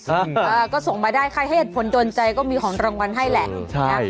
อ่าก็ส่งมาได้ใครให้เหตุผลโดนใจก็มีของรางวัลให้แหละ